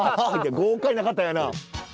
豪快な方やな。